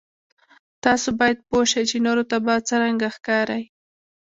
تاسو باید پوه شئ چې نورو ته به څرنګه ښکارئ.